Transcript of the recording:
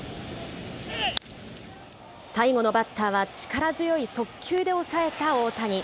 最後のバッターは力強い速球で抑えた大谷。